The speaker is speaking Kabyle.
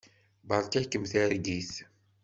Beṛka-kem targit.